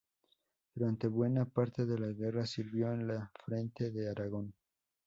Durante buena parte de la guerra sirvió en el Frente de Aragón.